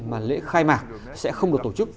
mà lễ khai mạc sẽ không được tổ chức